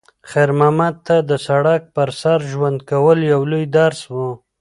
خیر محمد ته د سړک پر سر ژوند کول یو لوی درس و.